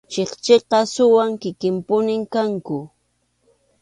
Chikchiqa suwa kikinpunim kanku.